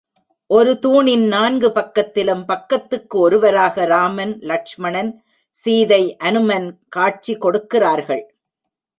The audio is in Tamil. ஒரு தூணின் நான்கு பக்கத்திலும், பக்கத்துக்கு ஒருவராக ராமன், லக்ஷ்மணன், சீதை, அனுமன் காட்சி கொடுக்கிறார்கள்.